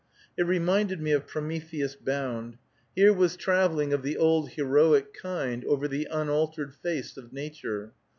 It reminded me of Prometheus Bound. Here was traveling of the old heroic kind over the unaltered face of nature.